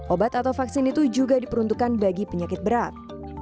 obat atau vaksin itu juga diperuntukkan bagi penyakit berat